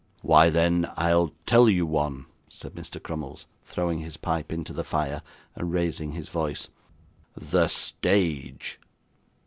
'Why, then, I'll tell you one,' said Mr. Crummles, throwing his pipe into the fire, and raising his voice. 'The stage.